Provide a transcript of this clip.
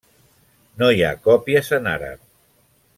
No hi ha còpies en àrab.